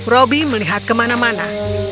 robby melihat kemana mana